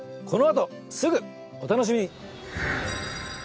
このあとすぐお楽しみに。